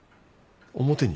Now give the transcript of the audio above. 表に？